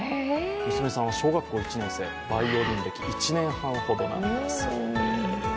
娘さんは小学１年生、バイオリン歴１年半ほどだそうです。